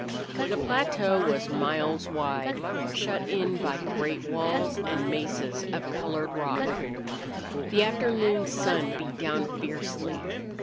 The plateau was miles wide, shut in by great walls and mesas of colored rock. The afternoon sun beat down fiercely.